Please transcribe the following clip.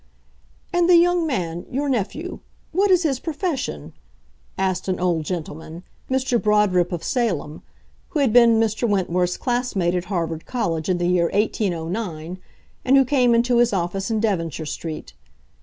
"And the young man, your nephew, what is his profession?" asked an old gentleman—Mr. Broderip, of Salem—who had been Mr. Wentworth's classmate at Harvard College in the year 1809, and who came into his office in Devonshire Street.